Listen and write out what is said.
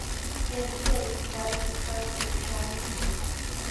سیاسي او اقتصادي اهداف پکې شامل دي.